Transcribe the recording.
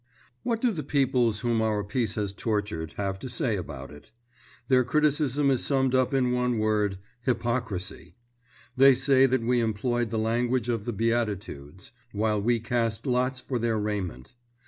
What do the peoples whom our Peace has tortured, have to say about it? Their criticism is summed up in one word—hypocrisy. They say that we employed the language of the Beatitudes, while we cast lots for their raiment.